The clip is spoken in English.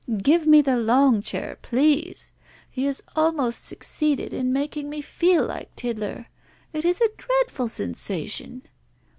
Give me the long chair, please. He has almost succeeded in making me feel like Tiddler. It is a dreadful sensation."